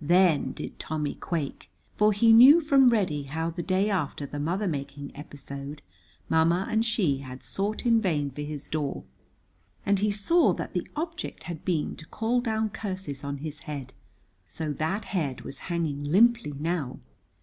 Then did Tommy quake, for he knew from Reddy how the day after the mother making episode, Ma ma and she had sought in vain for his door, and he saw that the object had been to call down curses on his head. So that head was hanging limply now.